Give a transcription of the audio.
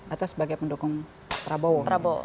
atau sebagai pendukung prabowo